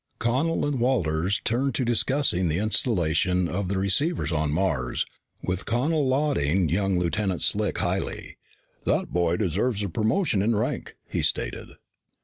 Connel and Walters turned to discussing the installation of the receivers on Mars, with Connel lauding young Lieutenant Slick highly. "That boy deserves a promotion in rank," he stated.